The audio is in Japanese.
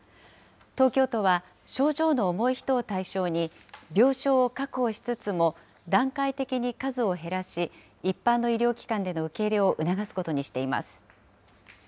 東京都は、症状の重い人を対象に、病床を確保しつつも段階的に数を減らし、一般の医療機関での受け入れを促すことにしています。